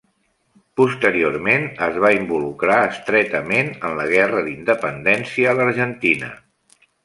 Posteriorment, es va involucrar estretament en la guerra d'independència a l'Argentina.